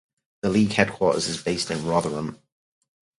The League headquarters is based in Rotherham.